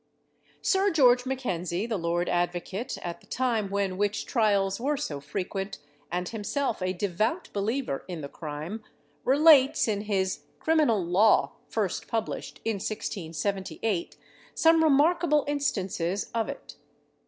Sir George Mackenzie, the Lord Advocate, at the time when witch trials were so frequent, and himself a devout believer in the crime, relates, in his Criminal Law, first published in 1678, some remarkable instances of it.